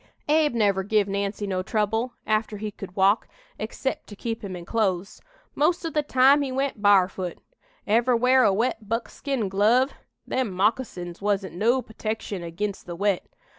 "Abe never give Nancy no trouble after he could walk excep' to keep him in clothes. Most o' the time he went bar'foot. Ever wear a wet buckskin glove? Them moccasins wasn't no putection ag'inst the wet.